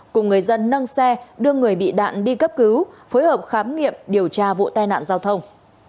cùng người dân nâng xe đưa người bị đạn đi cấp cứu phối hợp khám nghiệm điều tra vụ tai nạn giao thông